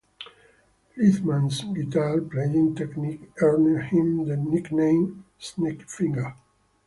Lithman's guitar playing technique earned him the nickname Snakefinger.